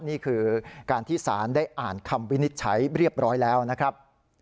นี่คือการที่สารได้อ่านคำวินิจฉัยเรียบร้อยแล้วนะครับ